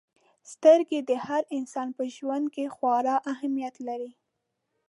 • سترګې د هر انسان په ژوند کې خورا اهمیت لري.